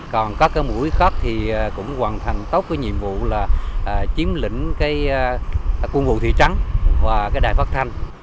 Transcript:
còn các cái mũi khác thì cũng hoàn thành tốt cái nhiệm vụ là chiếm lĩnh cái quân vụ thị trắng và cái đài phát thanh